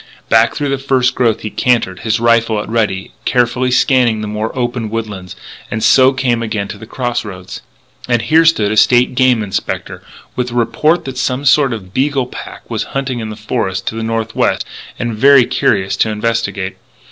Back through the first growth he cantered, his rifle at a ready, carefully scanning the more open woodlands, and so came again to the cross roads. And here stood a State Game Inspector, with a report that some sort of beagle pack was hunting in the forest to the northwest; and very curious to investigate.